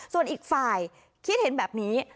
ส่วนอีกฝ่ายคิดเห็นแบบนี้